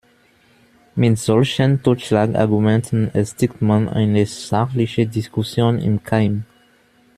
Mit solchen Totschlagargumenten erstickt man eine sachliche Diskussion im Keim.